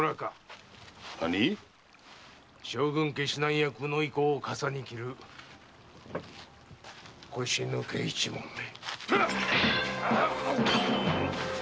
何⁉将軍家指南役の威光を笠に着る腰抜け一門め。